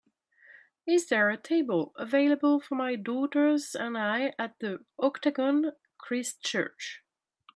is there a table available for my daughters and I at The Octagon, Christchurch